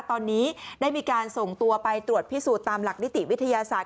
ตอนนี้ได้มีการส่งตัวไปตรวจพิสูจน์ตามหลักนิติวิทยาศาสต